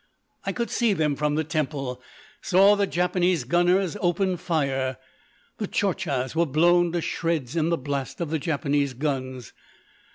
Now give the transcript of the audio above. "I could see them from the temple—saw the Japanese gunners open fire. The Tchortchas were blown to shreds in the blast of the Japanese guns....